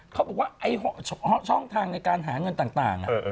เขาบอกว่าช่องทางในการหาเงินต่าง